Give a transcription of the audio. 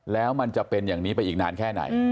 แล้วมันจะเป็นอย่างนี้ไปอีกนานแค่ไหน